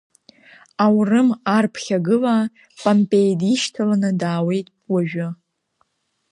Аурым ар ԥхьагыла Помпеи дишьҭаланы даауаеит уажәы.